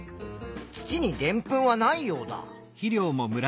土にでんぷんはないようだ。